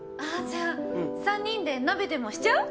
じゃあ３人で鍋でもしちゃう？